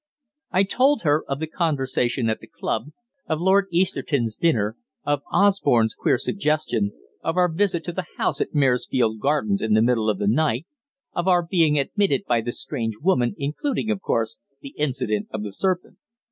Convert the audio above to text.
I told her of the conversation at the club, of Lord Easterton's dinner, of Osborne's queer suggestion, of our visit to the house at Maresfield Gardens in the middle of the night, of our being admitted by the strange woman, including, of course, the incident of the serpent.